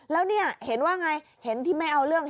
แล้วเนี่ยเห็นว่าไงเห็นที่ไม่เอาเรื่อง